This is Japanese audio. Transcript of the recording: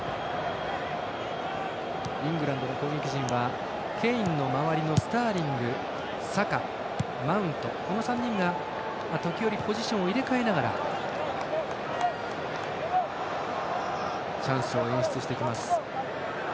イングランドの攻撃陣はケインの周りのスターリング、サカ、マウントこの３人が時折ポジションを入れ替えながらチャンスを演出してきます。